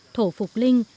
thổ phục linh